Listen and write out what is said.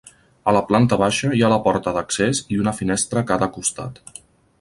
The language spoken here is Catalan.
A la planta baixa hi ha la porta d’accés i una finestra a cada costat.